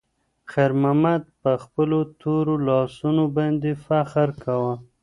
خیر محمد په خپلو تورو لاسونو باندې فخر کاوه.